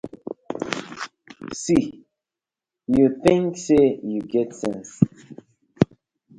See yu, yu tink say yu get sence.